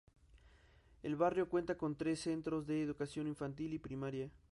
El barrio cuenta con tres Centros de Educación Infantil y Primaria.